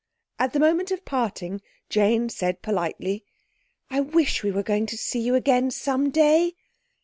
At the moment of parting Jane said politely— "I wish we were going to see you again some day."